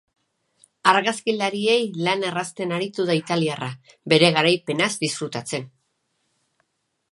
Argazkilariei lana errazten aritu da italiarra, bere garaipenaz disfrutatzen.